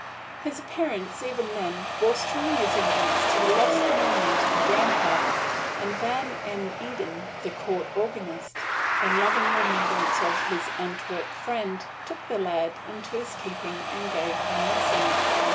His appearance, even then, bore strong resemblance to the lost and lamented grandfather; and Van den Eeden, the Court Organist, in loving remembrance of his Antwerp friend, took the lad into his keeping and gave him lessons.